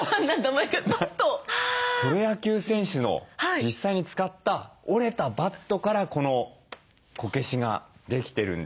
プロ野球選手の実際に使った折れたバットからこのこけしができてるんですって。